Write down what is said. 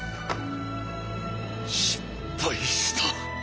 「失敗した」。